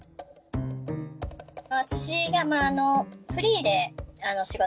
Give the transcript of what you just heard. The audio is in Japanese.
私がフリーで仕事してて。